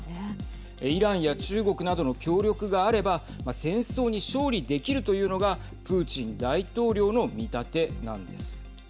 イランや中国などの協力があれば戦争に勝利できるというのがプーチン大統領の見立てなんです。